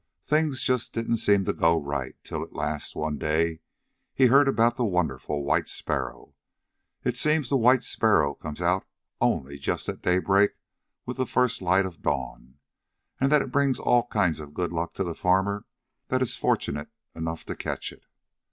Things just didn't seem to go right, till at last, one day, he heard about the wonderful white sparrow. It seems that the white sparrow comes out only just at daybreak with the first light of dawn, and that it brings all kinds of good luck to the farmer that is fortunate enough to catch it.